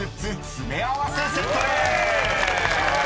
詰め合わせセットでーす！］